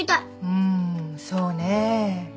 うんそうね